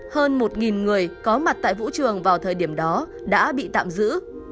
hơn một người có mặt tại vũ trường vào thời điểm đó đã bị tạm giữ